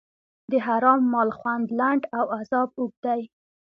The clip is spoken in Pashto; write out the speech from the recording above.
د حرام مال خوند لنډ او عذاب اوږد دی.